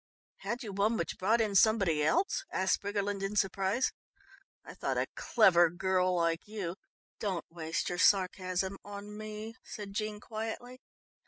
"Had you one which brought in somebody else?" asked Briggerland in surprise. "I thought a clever girl like you " "Don't waste your sarcasm on me," said Jean quietly.